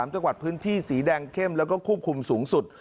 ๓จังหวัดพื้นที่สีแดงเข้มแล้วก็ควบคุมสูงสุด